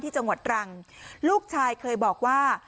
จังหวัดตรังลูกชายเคยบอกว่า